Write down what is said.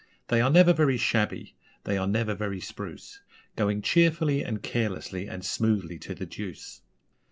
They are never very shabby, they are never very spruce Going cheerfully and carelessly and smoothly to the deuce.